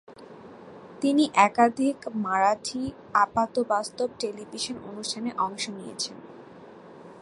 তিনি একাধিক মারাঠি আপাতবাস্তব টেলিভিশন অনুষ্ঠানে অংশ নিয়েছেন।